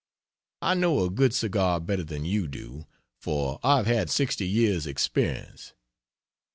I know a good cigar better than you do, for I have had 60 years experience.